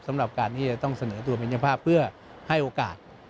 สำหรับการที่จะต้องเสนอตัวเป็นเจ้าภาพเพื่อให้โอกาส